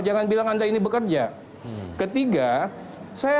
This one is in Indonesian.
jangan bilang anda ini bekerja maksimal jangan bilang anda ini bekerja maksimal